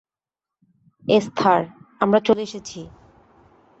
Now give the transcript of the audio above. Esther, আমরা চলে এসেছি।